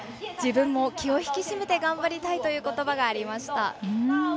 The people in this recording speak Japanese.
自分も気を引き締めて頑張りたいということばがありました。